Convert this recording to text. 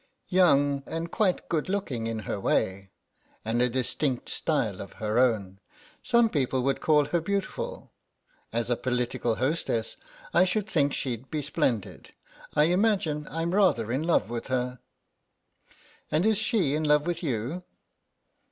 "Young and quite good looking in her way, and a distinct style of her own. Some people would call her beautiful. As a political hostess I should think she'd be splendid. I imagine I'm rather in love with her." "And is she in love with you?"